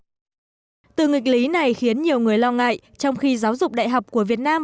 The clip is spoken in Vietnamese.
kỹ năng thực hiện từ nghịch lý này khiến nhiều người lo ngại trong khi giáo dục đại học của việt nam